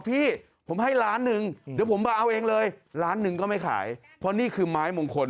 พี่ผมให้ร้าน๑เดี๋ยวผมเอาเองเลยร้าน๑ก็ไม่ขายเพราะนี้คือไม้มงคล